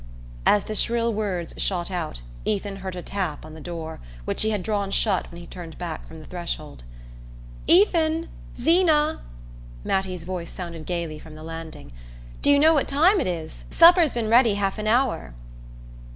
As the shrill words shot out Ethan heard a tap on the door, which he had drawn shut when he turned back from the threshold. "Ethan Zeena!" Mattie's voice sounded gaily from the landing, "do you know what time it is? Supper's been ready half an hour."